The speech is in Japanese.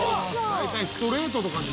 大体ストレートとかで。